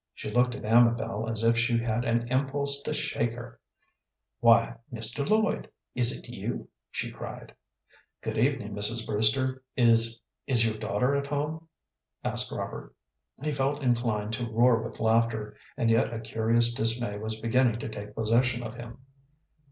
She looked at Amabel as if she had an impulse to shake her. "Why, Mr. Lloyd, is it you?" she cried. "Good evening, Mrs. Brewster; is is your daughter at home?" asked Robert. He felt inclined to roar with laughter, and yet a curious dismay was beginning to take possession of him.